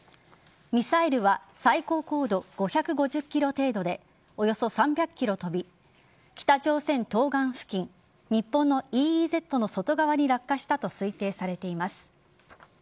ミサイルは最高高度５５０ｋｍ程度でおよそ３００ｋｍ飛び北朝鮮東岸付近日本のＥＥＺの外側に落下したと推定されています。